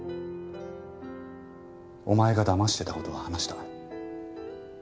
お前がだましてた事は話した。